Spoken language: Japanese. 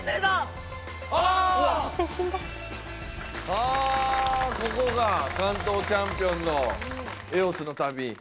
はぁここが関東チャンピオンのエオスの民。